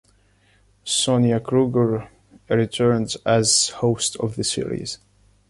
Sonia Kruger returned as host of the series.